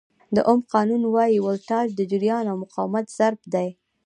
د اوم قانون وایي ولټاژ د جریان او مقاومت ضرب دی.